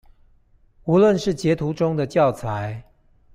無論是截圖中的教材